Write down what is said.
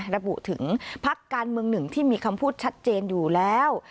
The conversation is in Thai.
ระบุถึงพักการเมืองหนึ่งที่มีคำพูดชัดเจนอยู่แล้ว